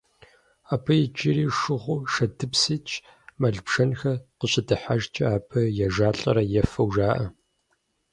Абы иджы шыугъэу шэдыпс итщ, мэл-бжэнхэр къыщыдыхьэжкӏэ абы ежалӏэрэ ефэу жаӏэ.